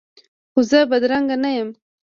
خو زه بدرنګه نه یم